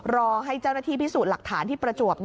รอให้เจ้าหน้าที่พิสูจน์หลักฐานที่ประจวบ